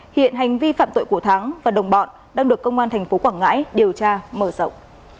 hiện hành vi phạm tội của thắng và đồng bọn đang được công an tp quảng ngãi điều tra mở rộng